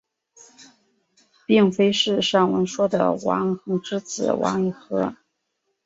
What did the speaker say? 并非是上文说的王桓之子王尹和。